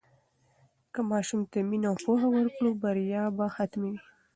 که ماشوم ته مینه او پوهه ورکړو، بریا به حتمي وي.